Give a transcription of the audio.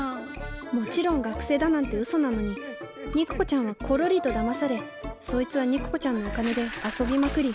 もちろん学生だなんてうそなのに肉子ちゃんはコロリとだまされそいつは肉子ちゃんのお金で遊びまくり